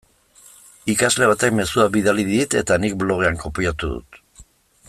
Ikasle batek mezua bidali dit eta nik blogean kopiatu dut.